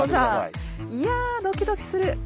いやドキドキする。